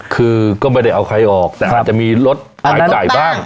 คือก็ไม่ได้เอาใครออกแต่อาจจะมีรถหายใจบ้าง